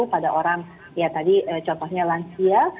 pada orang ya tadi contohnya lansia